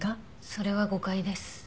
それは誤解です。